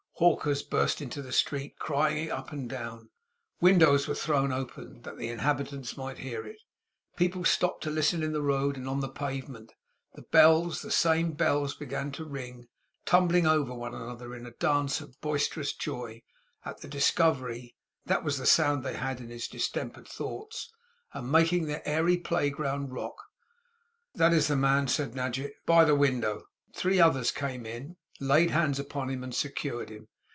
Hawkers burst into the street, crying it up and down; windows were thrown open that the inhabitants might hear it; people stopped to listen in the road and on the pavement; the bells, the same bells, began to ring; tumbling over one another in a dance of boisterous joy at the discovery (that was the sound they had in his distempered thoughts), and making their airy play ground rock. 'That is the man,' said Nadgett. 'By the window!' Three others came in, laid hands upon him, and secured him.